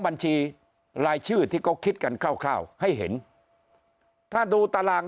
บัญชีรายชื่อที่เขาคิดกันคร่าวให้เห็นถ้าดูตาราง